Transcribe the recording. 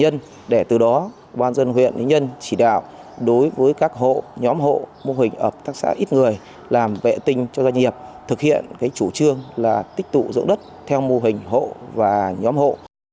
nhân để từ đó quan dân huyện nhân chỉ đạo đối với các hộ nhóm hộ mô hình ở các xã ít người làm vệ tinh cho doanh nghiệp thực hiện cái chủ trương là tích tụ dưỡng đất theo mô hình hộ và nhóm hộ